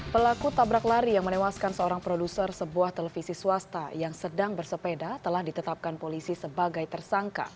pelaku tabrak lari yang menewaskan seorang produser sebuah televisi swasta yang sedang bersepeda telah ditetapkan polisi sebagai tersangka